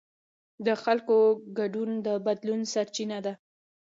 د خلکو ګډون د بدلون سرچینه ده